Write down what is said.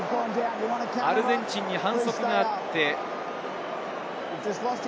アルゼンチンに反則があって。